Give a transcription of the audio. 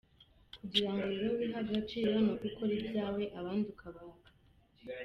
Kugira ngo rero wihe agaciro ni uko ukora ibyawe abandi ukabaha akazi.